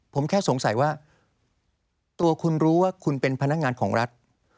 ผมแค่สงสัยว่าตัวคุณรู้ว่าคุณเป็นพนักงานของรัฐ